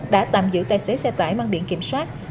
đã tạm giữ tài xế xe tải mang biển kiểm soát